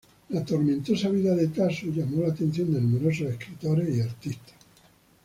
La tormentosa vida de Tasso llamó la atención de numerosos escritores y artistas.